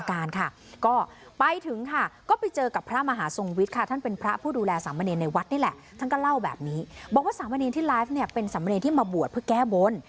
อาจจะได้มีสามเมนีที่มาบวชเพื่อแก้บ้น